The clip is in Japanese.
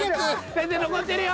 先生残ってるよ。